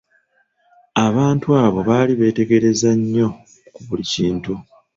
Abantu abo baali beetegereza nnyo ku buli kintu.